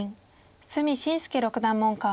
角慎介六段門下。